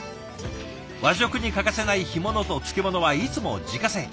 和食に欠かせない干物と漬物はいつも自家製。